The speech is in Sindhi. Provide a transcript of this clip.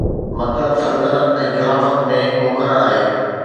مطلب سلطنت ۽ خلافت ۾ مقرر آهي